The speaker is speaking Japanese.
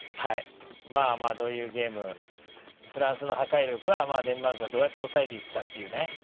どういうゲームフランスの破壊力をデンマークがどうやって抑えていくかっていう。